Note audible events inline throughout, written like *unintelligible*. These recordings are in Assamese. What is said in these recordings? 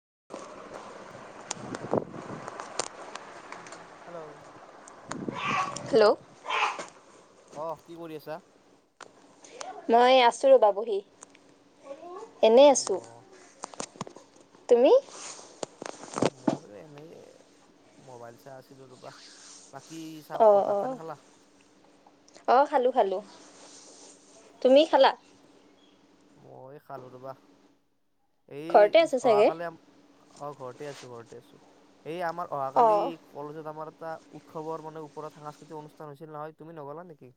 *unintelligible* হেল্ল' হেল্ল' অ কি মই আছোঁ ৰবাবহি এনেই অ আছোঁ তুমি ময়ো এনেই মোবাইল চাই আছিলো ৰবা বাকী চাহ অ ভাত অ পানী খালা অ খালো খালো তুমি খালা মই খালোঁ ৰবা ঘৰতে এই আছা চাগে অহাকালি অ ঘৰতে আছো ঘৰতে আছোঁ এই আমাৰ অহাকালি অঁ কলেজত আমাৰ এটা উৎসৱৰ মানে ওপৰত সাংস্কৃতিক অনুষ্ঠান হৈছিল নহয় তুমি নগলা নেকি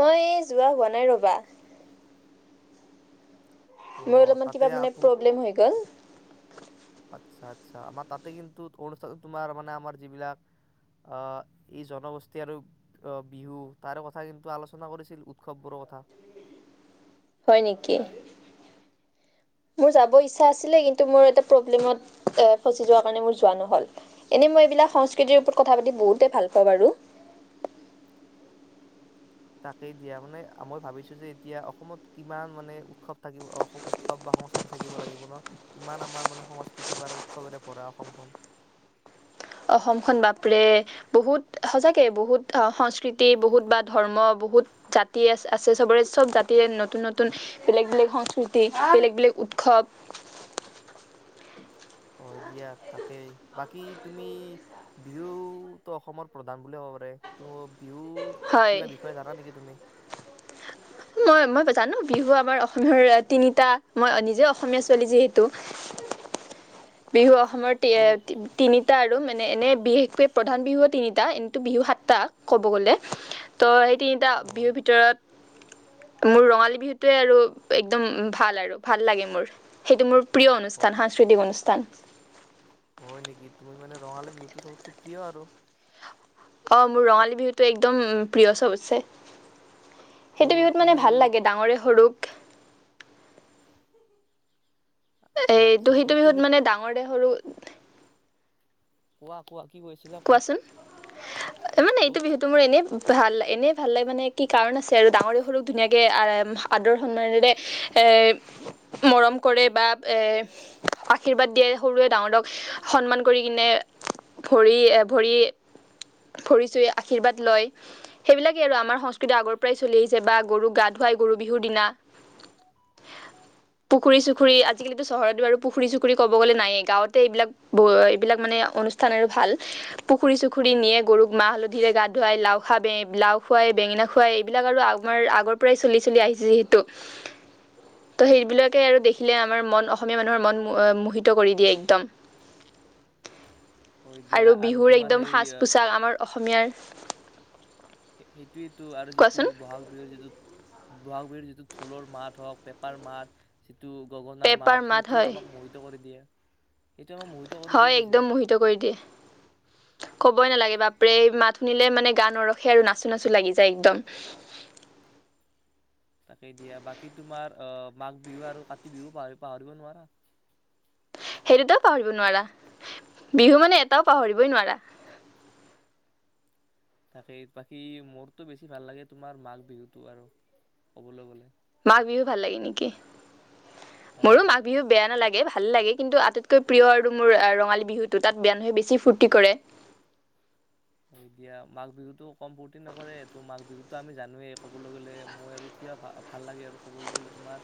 মই যোৱা হোৱা নাই ৰবা অ মোৰ অলপমান তাতে কিবা মানে তুম প্ৰব্লেম হৈ গল আচ্ছা আচ্ছা আমাৰ তাতে কিন্তু অনুষ্ঠান তোমাৰ মানে আমাৰ যিবিলাক এই জনগোষ্ঠী আৰু বিহু তাৰ কথা কিন্তু আলোচনা কৰিছিল উৎসৱবোৰৰ কথা হয় নেকি মোৰ যাব ইচ্ছা আছিলে কিন্তু মই এটা প্ৰব্লেমত ফচিযোৱাৰ কাৰণে মোৰ যোৱা নহল এনেই ম তাকেই দিয়া মানে মই ভাবিছো যে এতিয়া অসমত কিমান মানে উৎসৱ থাকিব উৎসৱ বা সংস্কৃতি থাকিব লাগিব ন কিমান আমাৰ মানে সংস্কৃতি বা উৎসৱেৰে ভৰা অসমখন অসমখন বাপৰে বহুত সচাকে বহুত সংস্কৃতি বহুত বা ধৰ্ম বহুত জাতি আছে চবৰে চব জাতিৰে নতুন নতুন বেলেগ বেলেগ সংস্কৃতি বেলেগ বেলেগ উৎসৱ হয় দিয়া তাকেই বাকী তুমি বিহুতো অসমৰ প্ৰধান বুলিয়ে ক'ব পাৰে তো বিহুৰ হয় কিবা বিষয়ে জানা নেকি তুমি মই মই জানো বিহু আমাৰ অসমীয়াৰ তিনিটা মই নিজে অসমীয়া ছোৱালী যিহেতু বিহু অসমৰ তো তিনিটা আৰু মানে এনেই বিশেষকৈ প্ৰধান বিহু তিনিটা এনেইটো বিহু সাতটা ক'ব গ'লে তো সেই তিনিটা অ বিহুৰ ভিতৰত মোৰ ৰঙালী বিহুটোৱে আৰু একদম ভাল আৰু ভাল লাগে মোৰ সেইটো মোৰ প্ৰিয় অনুষ্ঠান হয় সাংস্কৃতিক অনুষ্ঠান অনুষ্ঠান হয় নেকি তুমি মানে ৰঙালী বিহুতটো চবতকে প্ৰিয় আৰু অ মোৰ ৰঙালী বিহুতটো একদম প্ৰিয় চবতছে তো সেইটো বিহুত মানে তুমি ভাল লাগে ডাঙৰে সৰুক আচ্ছা আচ্ছা এটো তো সেইটো বিহুত তুমি মানে ডাঙৰ দে সৰু কোৱা কোৱা কি কৈছিলা কোৱা কোৱাচোন। মানে এইটো ক'ত বিহুটো মোৰ এনে ভাল এনেই ভাল লাগে মানে, কি কাৰণ আছে আৰু ডাঙৰে সৰুক ধুনীয়াকে আহ-আদৰ-সন্মানৰে এ মৰম কৰে বা এ আশীৰ্বাদ দিয়ে, সৰুৱে ডাঙৰক সন্মান কৰি কিনে ভৰি এ ভৰি, ভৰি চুই আশীৰ্বাদ লয়। সেইবিলাকেই আৰু আমাৰ সংস্কৃতি আগৰ পৰাই চলি আহিছে বা গৰুক গা ধুৱায় গৰু বিহুৰ দিনা। পুখুৰী-চুখুৰী, আজিকালিতো চহৰতো বাৰু পুখুৰী-চুখুৰী ক'ব গ'লে নায়েই। গাঁৱতে এইবিলাক-এইবিলাক মানে অনুষ্ঠান আৰু ভাল। পুখুৰী-চুখুৰী নিয়ে, গৰুক মাহ-হালধিৰে গা ধুৱায়। লাও খা, বে- লাও খুৱাই, বেঙেনা খুৱাই এইবিলাক আৰু আমাৰ আগৰ পৰাই চলি চলি আহিছে যিহেতু। ত' সেইবিলাকে আৰু দেখিলে আমাৰ মন অসমীয়া মানুহৰ মন মোহিত কৰি দিয়ে একদম। হয় দিয়া আৰু বিহুৰ তোমাৰ একদম সেই অ সাজ-পোছাক আমাৰ অসমীয়াৰ সেইটোয়েইটো আৰু যিটো কোৱাচোন বহাগ বিহুৰ যিটো বহাগ বিহুৰ যিটো ঢোলৰ মাত হওক, পেঁপাৰ মাত, যিটো টো গগনাৰ পেপাৰ মাত সেইটোৱে হয় আমাক মোহিত কৰি দিয়ে। সেইটো আমাক মোহিত কৰি দিয়ে হয় পিছে একদম মোহিত কৰি দিয়ে। ক'বই নালাগে বাপৰে, মাত শুনিলে মানে গা নৰখে আৰু, নাচো-নাচো লাগি যায় একদম। তাকেই দিয়া, বাকী তোমাৰ আ মাঘ বিহু আৰু কাতি বিহু পাহৰি-পাহৰিব নোৱাৰা। সেইদুটাও পাহৰিব নোৱাৰা। বিহু মানে এটাও পাহৰিবই নোৱাৰা। তাকেই বাকী মোৰতো বেছি ভাল লাগে তোমাৰ মাঘ বিহুটো আৰু, কবলৈ গ'লে। মাঘ বিহু ভাল লাগে নেকি? অ মোৰো মাঘ বিহু বেয়া নালাগে! ভ ভাল লাগে কিন্তু, আটাইতকৈ প্ৰিয় আৰু মোৰ ৰঙালী বিহুটো। তাত মানুহে বেছি ফূৰ্তি কৰে। হয় দিয়া। মাঘ বিহুতো কম পুৰ্তি নকৰে ত' মাঘ বিহুতো আমি জানোৱেই ক'বলৈ গ'লে, মই আৰু কিবা ভাল লাগে আৰু ক'বলৈ গ'লে তোমাৰ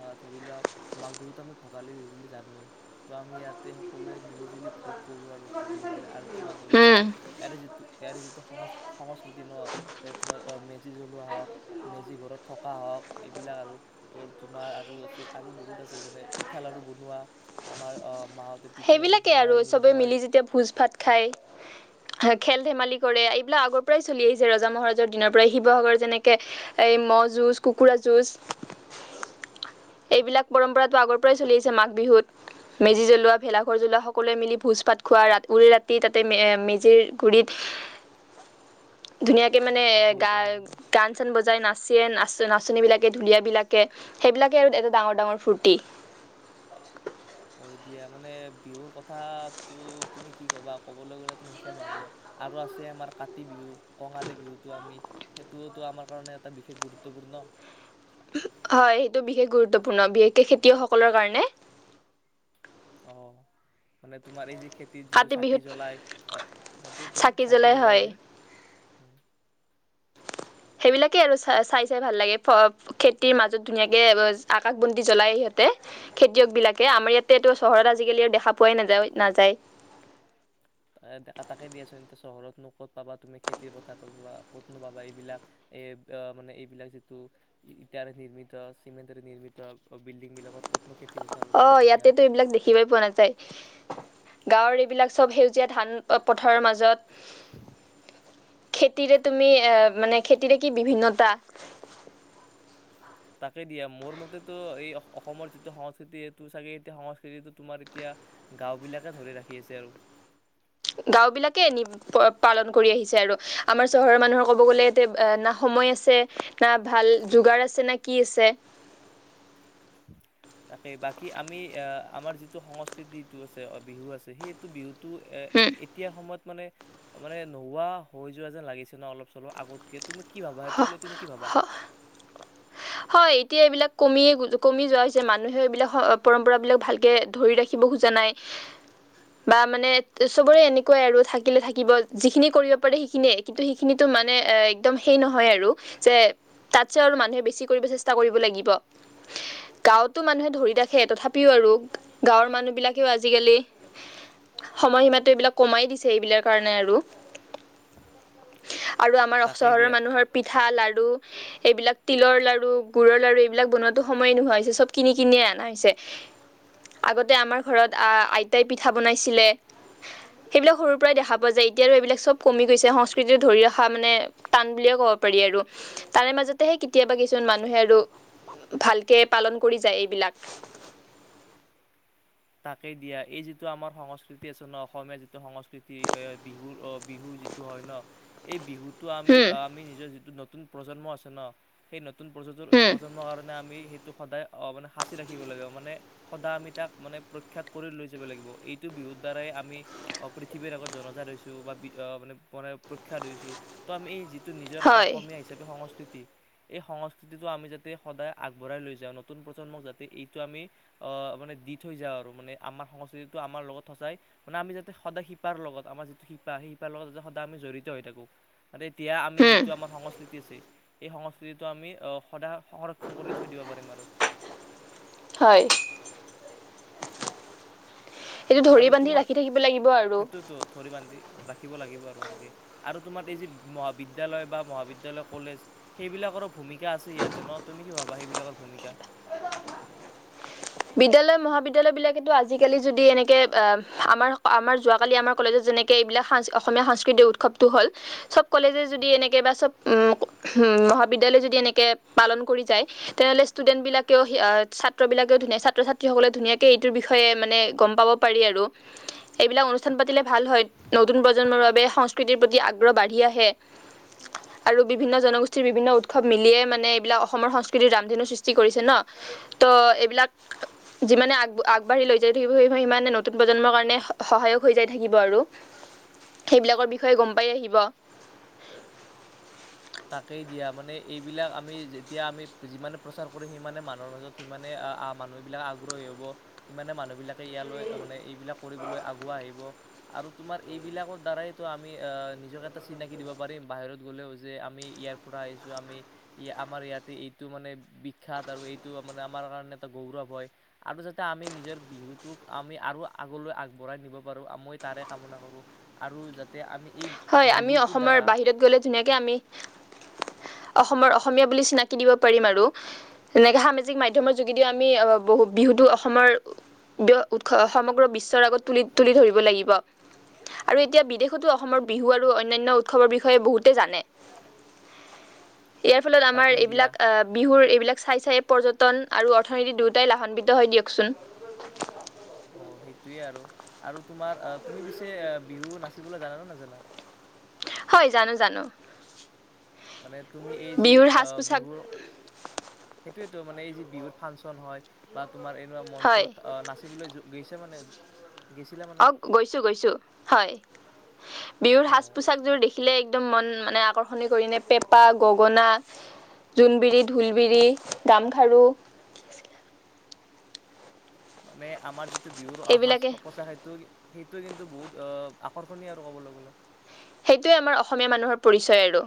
অ ধৰি লোৱা মাঘ বিহুটো আমি ভোগালী বিহু বুলি জানোৱেই। ত' আমি ইয়াতে সকলোৱে মিলিজুলি ভোগ কৰো আৰু ক'বলৈ গ'লে, আৰু তোমাৰ ধৰি লোৱা হুম ইয়াৰে যিটো, ইয়াৰে যিটো সাংস্কৃ-সংস্কৃতি ন? তোমাৰ মেজি জল ৱা হওক, মেজি ঘৰত থকা হওক। এইবিলাক আৰু, আৰু বহুত আছে পিঠা-লাৰু বনোৱা, আমাৰ মাহ সেইবিলাকেই আৰু চবে মিলি যেতিয়া ভোজ-ভাত খায় খেল-ধেমালি কৰে এইবিলাক আগৰ পৰাই চলি আহিছে ৰজা-মহাৰাজৰ দিনৰ পৰাই, শিৱসাগৰ যেনেকে এই মহযুঁজ, কুকুৰা-যুঁজ। এইবিলাক পৰম্পৰাতো আগৰ পৰাই চলি আহিছে মাঘ বিহুত, মেজি জ্বলোৱা ভেলাঘৰ জ্বলোৱা সকলোৱে মিলি ভোজ-ভাত খোৱা, উৰে ৰাতি তাতে মেজিৰ গুৰিত। ধুনীয়াকে মানে এ বহি থকা নেকি গা-গান-চান বজাই নাচি নাচ-নাচনীবিলাকে, ঢুলীয়াবিলাকে, সেইবিলাকে আৰু এটা ডাঙৰ-ডাঙৰ ফূৰ্তি। হয় দিয়া মানে, বিহুৰ কথাটো তুমি কি ক'বা? ক'বলৈ গ'লেতো শেষে নহ'ব। আৰু আছে আমাৰ কাতি বিহু, কঙালী বিহুটো আমি। সেইটো টোও আমাৰ কাৰণে এটা বিশেষ গুৰুত্বপূৰ্ণ। হয়, সেইটো বিশেষ গুৰুত্বপূৰ্ণ। বিশেষকে খেতিয়কসকলৰ কাৰণে। অ' মানে তোমাৰ এই যে খেতিত যিটো কাতি চাকি বিহুত জ্বলায়, সেইটোৱেটো চাকি জ্বলাই যে। সেইবিলাকে আৰু চাই-চাই ভাল লাগে, খেতিৰ মাজত ধুনীয়াকে আকাশবন্তি জলায় সিহঁতে, খেতিয়কবিলাকে আমাৰ ইয়াতেটো চহৰত আজিকালি আৰু দেখা পোৱাই নযায়-নাযায়। তা-তাকে দিয়াচোন এতিয়া চহৰতনো ক'ত পাবা তুমি খেতিৰ পথাৰ পাবা, ক'তনো পাবা এইবিলাক, এই মানে এইবিলাক যিটো ইটাৰে নিৰ্মিত, চিমেণ্টৰে নিৰ্মিত বিল্ডিং বিলাকত ক'ত অ' ইয়াতেতো এইবিলাক দেখিবই পোৱা নাযায়। গাঁৱৰ এইবিলাক চব সেউজীয়া ধান-পথাৰৰ মাজত খেতিৰে তুমি এ, মানে খেতিৰে কি বিভিন্নতা! তাকে দিয়া মোৰ মতেতো এই অসমৰ যিটো সংস্কৃতি সেইটো চাগে এ সংস্কৃতিটো তোমাৰ এতিয়া গাঁও বিলাকে ধৰি ৰাখি আছে আৰু। গাঁওবিলাকে এ নি পালন কৰি আহিছে আৰু। আমাৰ চহৰৰ মানুহৰ ক'ব গ'লে এতে না সময় আছে না ভাল যোগাৰ আছে, না কি আছে? তাকেই বাকী আমি আহ আমাৰ যিটো সংস্কৃতিটো আছে, বিহু আছে সেইটো বিহুত তো হম এতিয়াৰ সময়ত মানে মানে নোহোৱা হৈ যোৱা যেন লাগিছে ন অলপ চলপ আগতকে তুমি কি ভাবা সেইটোক লৈ তুমি কি ভাবা হয় এতিয়া এইবিলাক কমিয় কমি যোৱা হৈছে মানুহে এইবিলাক পৰম্পৰা বিলাক ভালকে ধৰি ৰাখিব খোজা নাই বা মানে চবৰে এনেকুৱাই আৰু থাকিলে থাকিব যিখিনি কৰিব পাৰে সেইখিনিয়ে কিন্তু সেইখিনিতো মানে একদম সেই নহয় আৰু যে তাতছে আৰু মানুহে বেছি চেষ্টা কৰিব লাগিব গাঁৱতো মানুহে ধৰি ৰাখে তথাপিও আৰু গাঁৱৰ মানুহ বিলাকেও আজিকালি সময়সীমাটো এইবিলাক কমাই দিছে এইবিলাক কাৰণে আৰু আৰু আমাৰ তাকেই চহৰৰ দিয়া মানুহৰ পিঠা লাড়ু এইবিলাক তিলৰ লাৰ গুুৰৰ লাড়ু এইবিলাক বনোৱা সময়ে নোহোৱা হৈছে চব কিনি কিনিয়ে অনা হৈছে আগতে আমাৰ ঘৰত আইতাই পিঠা বনাইছিলে সেইবিলাক সৰুৰ পৰাই দেখা পোৱা যায় এতিয়াো এইবিলাক চব কমি গৈছে সংস্কৃতি ধৰি ৰখা মানে টান বুলে ক'ব পাৰি আৰু তাৰে মাজতেহে কেতিয়াবা মানুহে আৰু ভালকে পালন কৰি যায় এইবিলাক তাকে দিয়া এই যিটো আমাৰ সংস্কৃতি আছে ন অসমীয়া যিটো সংস্কৃতি বিহুৰ বিহু যিটো হয় ন এই বিহুত আমি হম আমি নিজৰ যিটো ন নতুন প্ৰজন্ম আছে ন সেই নতু নতুন প্ৰ হম প্ৰজন্মৰ কাৰণে আমি সেই টো সদায় অ মানে সাঁচি ৰাখিব লাগিব মানে সদায় আমি তাক মানে প্ৰখ্যাত কৰি লৈ যাব লাগিব এইটো বিহুৰ দ্বাৰাই আমি পৃথিৱীৰ আগত জনজাত হৈছোঁ বা বি মানে মানে প্ৰখ্যাত হৈছোঁ তো আমি এই যি নিজৰ এটা হয় অসমীয়া হিাপে সংস্কৃত এই সংস্কৃতিটো আমি যাতে সদায় আগবঢ়াই লৈ যাওঁ নতুন প্ৰজন্মক যাতে এইটো আমি আহ মানে দি থৈ যাওঁ আৰু মানে আমাৰ সংস্কৃতিতটো আমাৰ লগত সচাই মানে আমি যাতে সদায় শিপাৰ লগত আমাৰ যিটো শিপা সেই শিপাৰ লগত যতে সদায় আমি জড়িত হৈ থাকো ম এতিয়া আমি হম যিটো আমাৰ সংস্কৃতি আছে এই সংস্কৃতিটো আমি সদায় সংৰক্ষণ কৰি থৈ দিব পাৰিম আৰু হয় এইটো আৰু ধৰি বান্ধি তোমাৰ ৰাখি থাকিব লাগিব আৰু সেইটোতো ধৰি বান্ধি ৰাখিব লাগিব আৰু সেনেকে আৰু তোমাৰ এই যি বিদ্যালয় বা মহাবিদ্যয়ালয় কলেজ সেইবিলাকৰো ভূমিকা আছে ইয়াতে ন তুমি কি ভাবা সেইবিলাকৰ ভূমিকা বিদ্যালয়ৰ মহাবিদ্যয়ালয় বিলাকেতো আজিকালি যদি এনেকে আমাৰ আমাৰ যোৱাকালি আমাৰ কলেজত যেনেকে এইবিলাক স অসমীয়া সাংস্কৃতিক উৎসৱটো হ'ল সব কলেজে যদি এনেকে বা সব মহাবিদ্যালয় যদি এনেকে পালন কৰি যায় তেনেহ'লে ষ্টুডেন্ট বিলাকেও ছাত্ৰবিলাক ছাত্ৰ ছাত্ৰীসকলে ধুনীয়াকে এইটোৰ বিষয়ে মানে গম পাব পাৰি আৰু এইবিলাক অনুষ্ঠান পাতিলে ভাল হয় নতুন প্ৰজন্মৰ বাবে সংস্কৃতিৰ প্ৰতি আগ্ৰহ বাঢ়ি আহে আৰু বিভিন্ন জনগোষ্ঠীৰ বিভিন্ন উৎসৱ মিলিয়ে মানে এইবিলাক অসমৰ সংস্কৃতিৰ ৰামধেনু সৃষ্টি কৰিছে ন ত এইবিলাক যিমানে আগ আগবাঢ়ি লৈ যাই থাকিব সেই সিমানে নতুন প্ৰজন্মৰ কাৰণে সহায়ক হৈ যাই থাকিব আৰু সেইবিলাকৰ বিষয়ে গম পাই আহিব তাকেই দিয়া মানে এইবিলাক আমি যেতিয়া আমি যিমানে প্ৰচাৰ কৰো সিমানে মানুহৰ মাজত সিমানে মানুহ বিলাক আগ্ৰহী হ'ব সিমানে মানুহ বিলাক ইয়ালৈ মানে এইবিলাক কৰিবলৈ আগুৱাই আহিব আৰু তোমাৰ এইবিলাকৰ দ্বাৰাইটো আমি অ নিজকে এটা চিনাকি দিব পাৰিম বাহিৰত গ'লেও যে আমি ইয়াৰ পৰা আহিছো আমি আমাৰ ইয়াতে এইটো মানে বিখ্যাত আৰু এইটো মানে আমাৰ কাৰণে এটা গৌৰৱ হয় আৰু যাতে আমি নিজৰ বিহুটোক আমি আৰু আগলৈ আগবঢ়াই নিব পাৰোঁ আমই তাৰে কামনা কৰোঁ আৰু যাতে আমি এই হয় আমি বিহুটোৰ অসমৰ দ্বাৰা বাহিৰত গ'লে ধুনীয়াক আমি অসমৰ অসমীয়া বুলি চিনাকি দিব পাৰিম আৰু এনেকে সামাজিক মাধ্যমৰ যোগেদিও আমি বহ বিহুতো অসমৰ উৎস সমগ্ৰ বিশ্বৰ আগত তুলি তুলি ধৰিব লাগিব আৰু এতিয়া বিদেশতো অসমৰ বিহু আৰু অন্যান্য উৎসৱৰ বিষয়ে বহুতে জানে ইয়াৰ ফলত আমাৰ তাকেই দিয়া এইবিলাক অঁ বিহুৰ এইবিলাক চাই চাই পৰ্যটন আৰু অৰ্থনীতি দুয়োটাই লাভান্বিত হয় দিয়কচোন অঁ সেইটোৱে আৰু আৰু তোমাৰ তুমি পিছে বিহু নাচিবলৈ জানানে ন জানা হয় জানো জানো মানে তুমি এই যি বিহুৰ সাজ অঁ পোছাক বিহুৰ সেইটোয়ে তো মানে বিহুত ফাংচন হয় তোমাৰ এনেুৱা হয় মঞ্চত অঁ নাচিবলৈ গৈছে যে মানে গৈছিলা মানে অঁ গৈছোঁ গৈছোঁ হয় বিহুৰ অ সাজ পোছাক জোৰ দেখিলে একদম মন মানে আকৰ্ষণি কৰি ন পেঁপা গগনা জোনবিৰি ঢোলবিৰি গামখাৰু মানে আমাৰ যিটো সটো বিহুৰ অ সাজ এইবিলাকে স পোচা সেইটো সেইটোৱে কিন্তু বহুত আকৰ্ষণীয় আৰু কবলৈ গ'লে সেইটোৱে আমাৰ অসমীয়া মানুহৰ পৰিচয় আৰু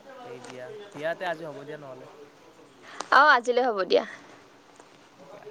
তাকেই দিয়া দিয়াতে আজি হ'ব দিয়া নহলে অঁ আজিলৈ হ'ব দিয়া দিয়া